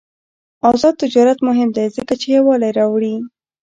آزاد تجارت مهم دی ځکه چې یووالي راوړي.